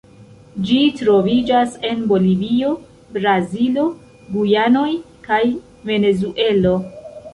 Ĝi troviĝas en Bolivio, Brazilo, Gujanoj kaj Venezuelo.